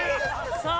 さあ